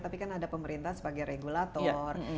tapi kan ada pemerintah sebagai regulator